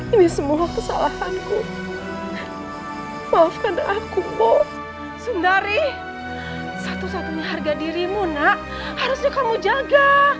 ini semua kesalahanku maafkan aku bos sundari satu satunya harga dirimu nak harusnya kamu jaga